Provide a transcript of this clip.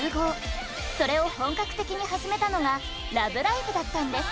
それを本格的に始めたのが「ラブライブ！」だったんです。